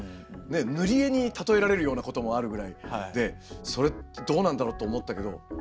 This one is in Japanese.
塗り絵に例えられるようなこともあるぐらいでそれってどうなんだろうと思ったけど。